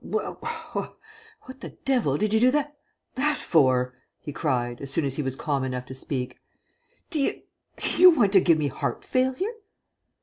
"Wh whuh what the devil did you do tha that for?" he cried, as soon as he was calm enough to speak. "Do y you want to give me heart failure?"